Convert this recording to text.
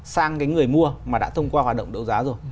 sang cái người mua mà đã thông qua hoạt động đấu giá rồi